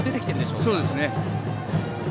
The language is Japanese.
そうですね。